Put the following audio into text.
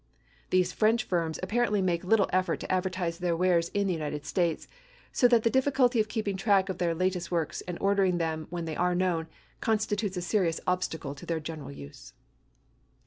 These French firms apparently make little effort to advertise their wares in the United States, so that the difficulty of keeping track of their latest works and ordering them when they are known, constitutes a serious obstacle to their general use.